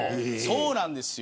そうなんですよ。